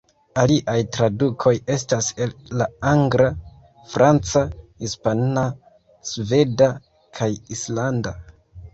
Aliaj tradukoj estas el la angla, franca, hispana, sveda kaj islanda.